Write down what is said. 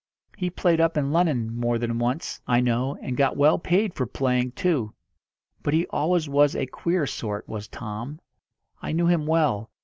He played up in Lunnon more than once, I know, and got well paid for playing too. But he always was a queer sort, was Tom. I knew him well.